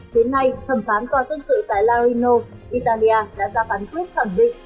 đến nay thẩm phán toàn dân sự tại larino italia đã ra phán quyết thẩm định